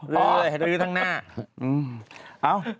ลื้อลื้อทั้งหน้า